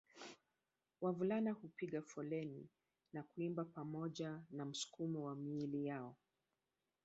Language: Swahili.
Wavulana hupiga foleni na kuimba pamoja na msukumo wa miili yao